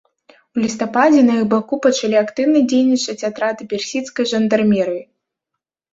У лістападзе на іх баку пачалі актыўна дзейнічаць атрады персідскай жандармерыі.